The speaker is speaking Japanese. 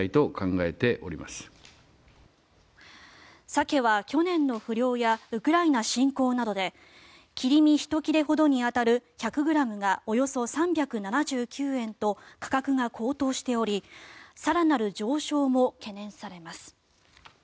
サケは去年の不漁やウクライナ侵攻などで切り身１切れほどに当たる１００ｇがおよそ３７９円と価格が高騰しており更なる上昇も懸念されます。